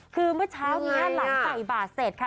คือเมื่อเช้านี้หลังใส่บาทเสร็จค่ะ